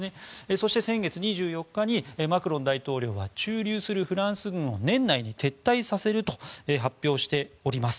そして、先月２４日にマクロン大統領は駐留するフランス軍を年内に撤退させると発表しております。